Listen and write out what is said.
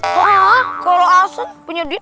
hah kalau asen punya duit